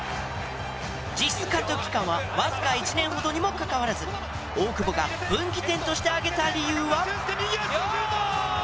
実質監督期間はわずか１年ほどにもかかわらず大久保が分岐点として上げた理由は？